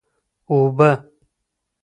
اوبه!